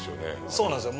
そうなんですよ。